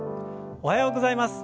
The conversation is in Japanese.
おはようございます。